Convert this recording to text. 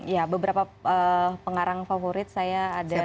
ya beberapa pengarang favorit saya ada